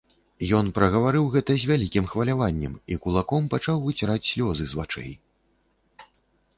Ён прагаварыў гэта з вялікім хваляваннем і кулаком пачаў выціраць слёзы з вачэй.